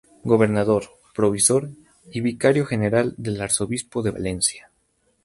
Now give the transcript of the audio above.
Gobernador, Provisor y Vicario General del Arzobispado de Valencia.